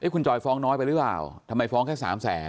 คุณจอยฟ้องน้อยไปหรือเปล่าทำไมฟ้องแค่๓แสน